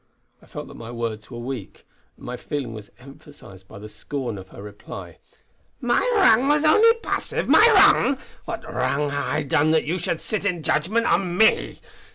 I felt that my words were weak, and my feeling was emphasised by the scorn of her reply: "My wrang was only passive! My wrang! What wrang hae I done that you should sit in judgment on me.